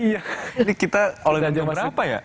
ini kita olingan keberapa ya